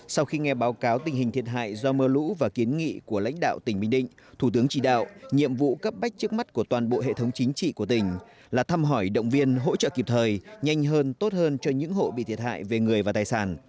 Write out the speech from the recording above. sau khi nghe báo cáo tình hình thiệt hại do mưa lũ và kiến nghị của lãnh đạo tỉnh bình định thủ tướng chỉ đạo nhiệm vụ cấp bách trước mắt của toàn bộ hệ thống chính trị của tỉnh là thăm hỏi động viên hỗ trợ kịp thời nhanh hơn tốt hơn cho những hộ bị thiệt hại về người và tài sản